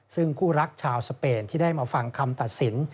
ซึ่งคู่รักชาวสเปนที่ได้มาฟังคำตัดสิน